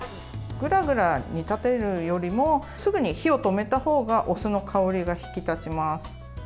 ぐらぐら煮立てるよりもすぐに火を止めたほうがお酢の香りが引き立ちます。